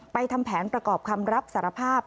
ทำแผนประกอบคำรับสารภาพ